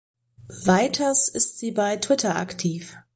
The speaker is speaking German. Weiters ist sie bei Twitter aktiv.